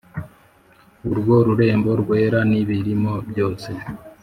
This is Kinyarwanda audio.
urwo rurembo rwera n'ibirimo byose